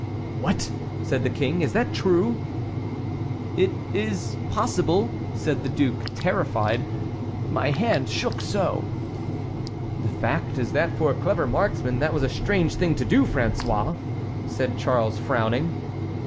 "What!" said the King; "is that true?" "It is possible," said the duke terrified; "my hand shook so!" "The fact is that for a clever marksman that was a strange thing to do, François!" said Charles frowning.